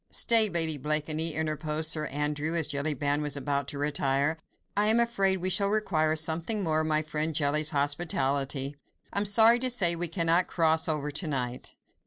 "Stay, Lady Blakeney," interposed Sir Andrew, as Jellyband was about to retire, "I am afraid we shall require something more of my friend Jelly's hospitality. I am sorry to say we cannot cross over to night."